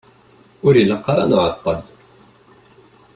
Ur ilaq ara ad nεeṭṭel.